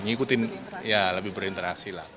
ngikutin ya lebih berinteraksi lah